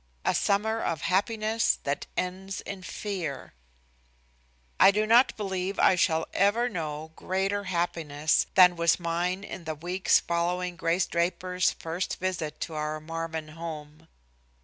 XXIV A SUMMER OF HAPPINESS THAT ENDS IN FEAR I do not believe I shall ever know greater happiness than was mine in the weeks following Grace Draper's first visit to our Marvin home.